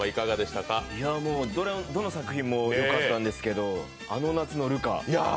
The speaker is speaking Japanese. どの作品もよかったんですけど、「あの夏のルカ」